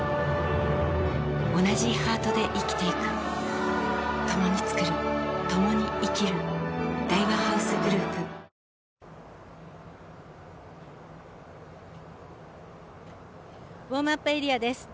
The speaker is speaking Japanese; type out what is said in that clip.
おなじハートで生きていく共に創る共に生きる大和ハウスグループウォームアップエリアです。